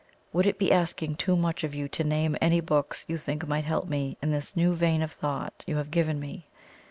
... Would it be asking too much of you to name any books you think might help me in this new vein of thought you have given me?